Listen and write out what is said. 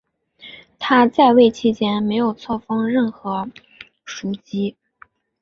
他在位期间没有册封任何枢机。